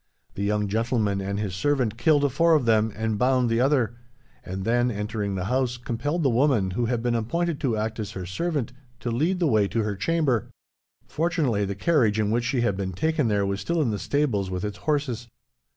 The young gentleman and his servant killed four of them, and bound the other; and then, entering the house, compelled the woman who had been appointed to act as her servant to lead the way to her chamber. Fortunately, the carriage in which she had been taken there was still in the stables, with its horses.